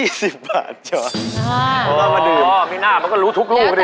อ๋อมีหน้ามันก็รู้ทุกลูกลูกละ๒๐